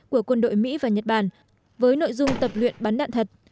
của quân đội mỹ và nhật bản với nội dung tập luyện bắn đạn thật